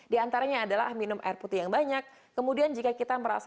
dan mereka harus minum dari dua tiga mlotic per s dieserosamer